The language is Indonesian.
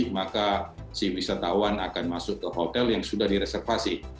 maka si wisatawan akan masuk ke hotel yang sudah direservasi